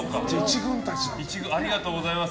ありがとうございます。